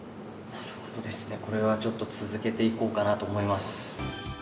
なるほどですねこれはちょっと続けていこうかなと思います。